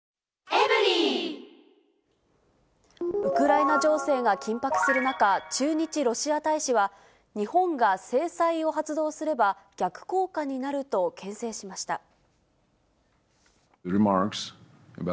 ウクライナ情勢が緊迫する中、駐日ロシア大使は、日本が制裁を発動すれば、逆効果になると、けん制しました。